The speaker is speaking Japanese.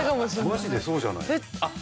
マジでそうじゃない？あっ！